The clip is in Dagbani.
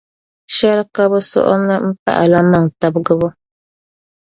Shɛli ka bɛ suhiri ni m-pahila maŋ’ tibgibu.